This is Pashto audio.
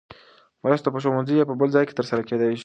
مرسته په ښوونځي یا بل ځای کې ترسره کېدای شي.